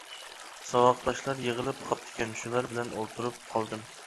ساۋاقداشلار يىغىلىپ قاپتىكەن شۇلار بىلەن ئولتۇرۇپ قالدىم.